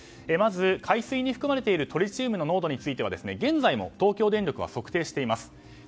まず、海水に含まれているトリチウムの濃度については現在も東京電力は測定しています。